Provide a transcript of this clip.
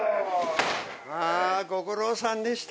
あぁご苦労さんでした。